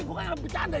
gue nganggep bercanda